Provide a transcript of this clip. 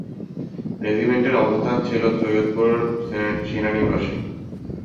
রেজিমেন্টের অবস্থান ছিল সৈয়দপুর সেনানিবাসে।